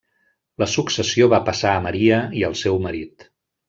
La successió va passar a Maria i al seu marit.